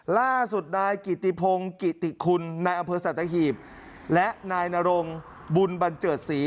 ล่าสุดนายกิติพงศ์กิติคุณนายอำเภอสัตหีบและนายนรงบุญบันเจิดศรี